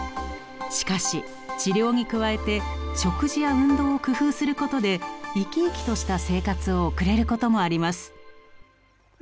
しかし治療に加えて食事や運動を工夫することで生き生きとした生活を送れることもあります。